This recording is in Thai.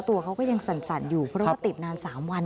ตัวเขาก็ยังสั่นอยู่เพราะว่าติดนาน๓วัน